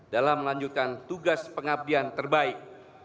dalam melanjutkan tugas pengabdian terbaik